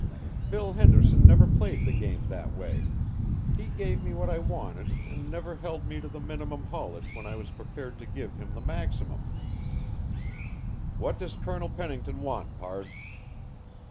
Bill Henderson never played the game that way. He gave me what I wanted and never held me to the minimum haulage when I was prepared to give him the maximum." "What does Colonel Pennington want, pard?"